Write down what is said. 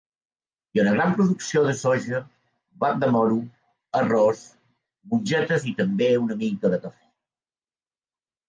Hi ha una gran producció de soja, blat de moro, arròs, mongetes i també una mica de cafè.